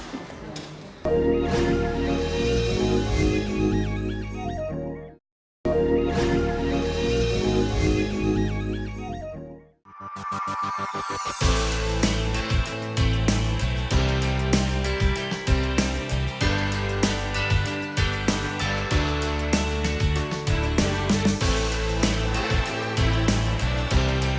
semoga bisa dibuat kata kata yang baik